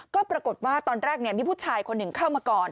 ก็ปรากฏว่าตอนแรกมีผู้ชายคนหนึ่งเข้ามาก่อน